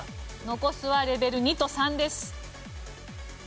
残すはレベル２と３です。